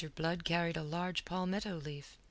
Blood carried a large palmetto leaf.